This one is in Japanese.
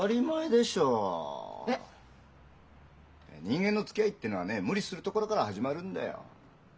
人間のつきあいってのはねえ無理するところから始まるんだよ。